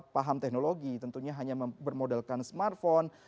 paham teknologi tentunya hanya bermodalkan smartphone